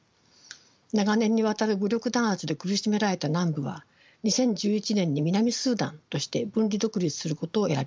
長年にわたる武力弾圧で苦しめられた南部は２０１１年に南スーダンとして分離独立することを選びました。